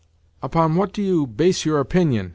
"Upon what do you base your opinion?"